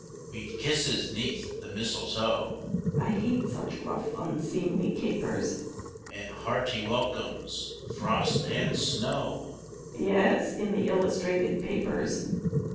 _) We've kisses 'neath the mistletoe (I hate such rough, unseemly capers!) And hearty welcomes, frost and snow; (_Yes, in the illustrated papers.